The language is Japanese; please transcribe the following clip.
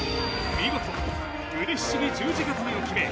見事腕ひしぎ十字固めを決め